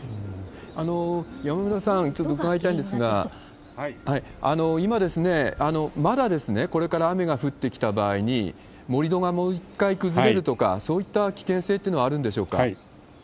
山村さん、ちょっと伺いたいんですが、今、まだこれから雨が降ってきた場合に盛り土がもう一回崩れるとか、そういった危険性というのはあるんでしょうか？